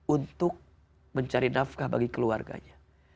untuk mencari nafkah bagi keluarganya